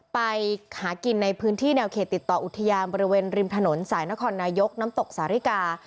ไปหากินในพื้นที่แนวเขตติดต่ออุทยานบริเวณริมถนนสายนครนายกน้ำตกสาริกา